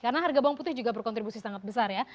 karena harga bawang putih juga berkontribusi sangat besar ya